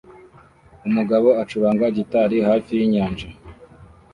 Umugabo acuranga gitari hafi yinyanja